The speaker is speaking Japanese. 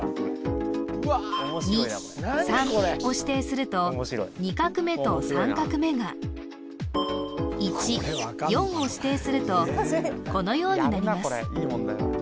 ２３を指定すると２画目と３画目が１４を指定するとこのようになります